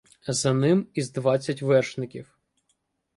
За ним із двадцять вершників.